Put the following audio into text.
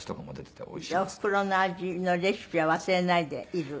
じゃあおふくろの味のレシピは忘れないでいる？